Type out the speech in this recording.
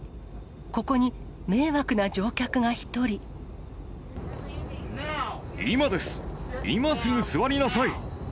ここに、今です、今すぐ座りなさい。